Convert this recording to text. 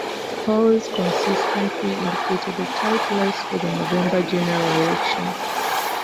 Polls consistently indicated a tight race for the November general election.